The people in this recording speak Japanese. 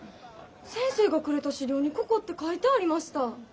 先生がくれた資料にここって書いてありました。